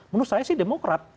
menurut saya sih demokrat